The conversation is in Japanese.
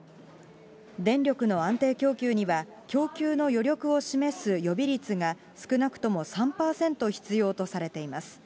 電力の安定供給には、供給の余力を示す予備率が少なくとも３％必要とされています。